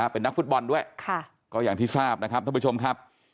เป็นนักฟุตบอลด้วยก็อย่างที่ทราบนะครับท่านผู้ชมครับ